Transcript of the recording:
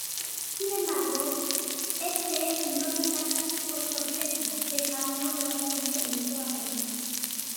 Sin embargo, este los ataca por sorpresa, dejando gravemente herido a Beren.